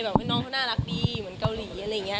น้องเขาน่ารักดีเหมือนเกาหลีอะไรอย่างนี้